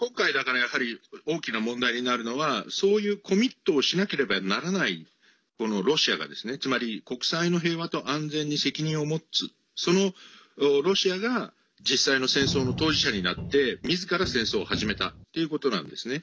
今回、大きな問題になるのはそういうコミットをしなければならないロシアがつまり、国際の平和と安全に責任を持つ、そのロシアが実際の戦争の当事者になってみずから戦争を始めたということなんですね。